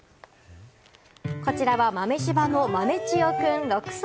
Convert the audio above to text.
こちらは豆柴の豆千代くん６歳。